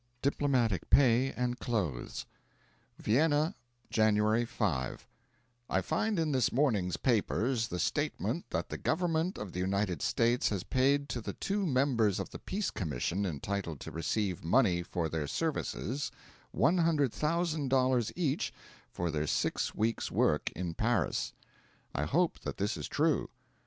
DIPLOMATIC PAY AND CLOTHES VIENNA, January 5 I find in this morning's papers the statement that the Government of the United States has paid to the two members of the Peace Commission entitled to receive money for their services 100,000 dollars each for their six weeks' work in Paris. I hope that this is true.